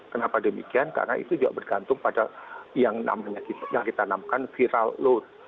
kenapa demikian karena itu juga bergantung pada yang kita namakan viral load